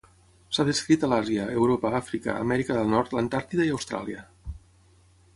S'ha descrit a l'Àsia, Europa, Àfrica, Amèrica del Nord, l'Antàrtida i Austràlia.